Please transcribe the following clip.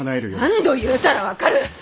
何度言うたら分かる！